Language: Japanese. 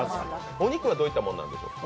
お肉はどういったもんなんでしょう？